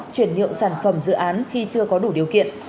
chuyển nhượng sản phẩm dự án khi chưa có đủ điều kiện